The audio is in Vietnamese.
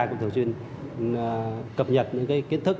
cũng thường xuyên cập nhật những kiến thức